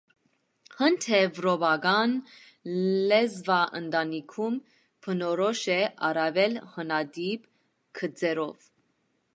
Հնդեվրոպական լեզվաընտանիքում բնորոշ է առավել հնատիպ գծերով։